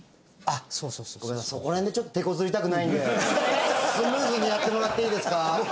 そこら辺でてこずりたくないんでスムーズにやってもらっていいですか？